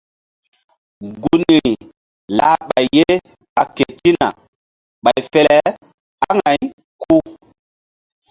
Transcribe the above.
Gunri lah ɓay ye ɓa ketina ɓay fe le aŋay ku.